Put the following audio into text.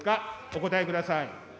お答えください。